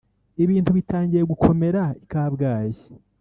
ibintu bitangiye gukomera i Kabgayi